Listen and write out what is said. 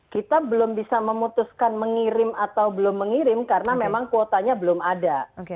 kita belum bisa memutuskan mengirim atau belum mengirim karena memang kuotanya belum ada